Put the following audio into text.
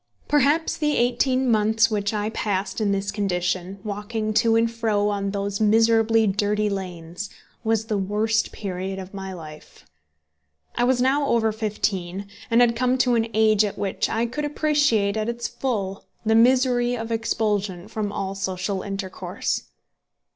Perhaps the eighteen months which I passed in this condition, walking to and fro on those miserably dirty lanes, was the worst period of my life. I was now over fifteen, and had come to an age at which I could appreciate at its full the misery of expulsion from all social intercourse.